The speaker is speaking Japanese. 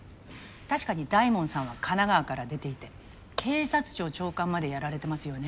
確かに大門さんは神奈川から出ていて警察庁長官までやられてますよね。